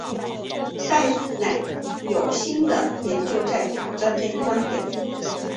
但仍有新的研究在挑战这一观点。